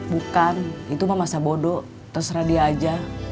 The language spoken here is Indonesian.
bukan itu mah masa bodoh terserah dia aja